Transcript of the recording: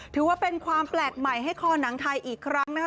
ถือว่าเป็นความแปลกใหม่ให้คอหนังไทยอีกครั้งนะคะ